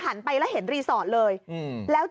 การนอนไม่จำเป็นต้องมีอะไรกัน